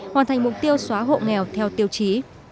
hoàn thành mục tiêu xóa hộ nghèo theo tiêu chí